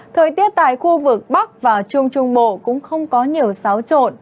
thời tiết tại khu vực bắc và trung trung bộ cũng không có nhiều xáo trộn